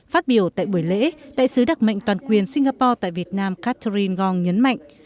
phát biểu tại buổi lễ đại sứ đặc mệnh toàn quyền singapore tại việt nam catherine ngong nhấn mạnh